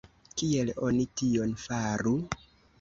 Kiel oni tion faru?